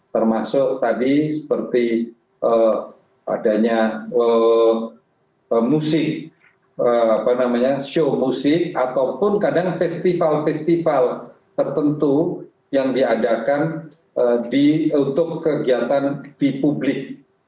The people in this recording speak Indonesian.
termasuk tadi seperti adanya musik show musik ataupun kadang festival festival tertentu yang diadakan untuk kegiatan di publik